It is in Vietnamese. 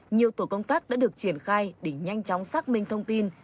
nhiều tổ công tác đã được triển khai để nhanh chóng xác minh thông tin